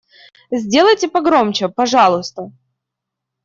Сделайте погромче, пожалуйста.